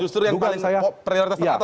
itu justru yang paling prioritas teratas ya